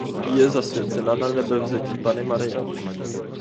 Je zasvěcena Nanebevzetí panny Marie.